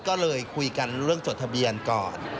ก็เลยคุยกันเรื่องจดทะเบียนก่อน